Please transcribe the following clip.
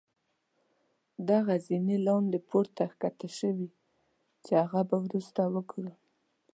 دغه زينې لاندې پوړ ته ښکته شوي چې هغه به وروسته وګورو.